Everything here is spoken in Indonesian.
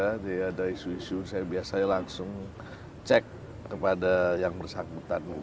jadi ada isu isu biar saya langsung cek kepada yang bersangkutan